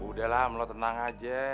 udah lah lo tenang aja